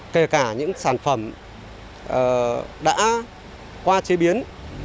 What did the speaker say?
kể cả những sản phẩm đã qua chế biến